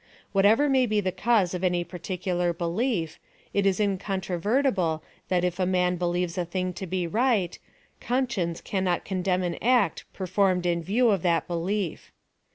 Whatever may be the cause of any particular belief, it is incontrovertible that if a man believes a thing to be right, conscience cannot condemn an act per formed in view of that belief.